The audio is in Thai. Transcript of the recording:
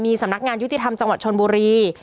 สำนักงานยุติธรรมจังหวัดชนบุรี